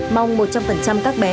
mong một trăm linh các bé